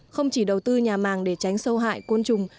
không chỉ đầu tư nhà màng để tránh sâu hại côn trùng